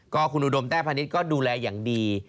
ก็คุณอุดมแต้พาณิชย์ก็ดูแลอย่างดี